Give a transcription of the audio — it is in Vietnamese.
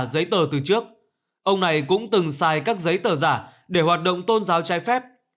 giấy tờ từ trước ông này cũng từng xài các giấy tờ giả để hoạt động tôn giáo trái phép